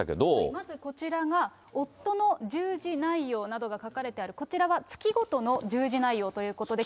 まずこちらが、夫の従事内容などが書かれてある、こちらは月ごとの従事内容ということで。